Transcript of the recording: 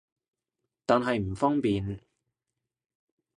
但係唔方便